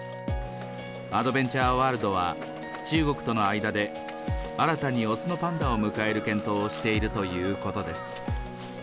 アドベンチャーワールドは、中国との間で新たに雄のパンダを迎える検討をしているということです。